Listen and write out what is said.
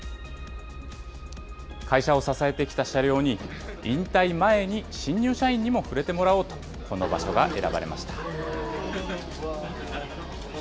会社を支えてきた車両に引退前に新入社員にも触れてもらおうと、この場所が選ばれました。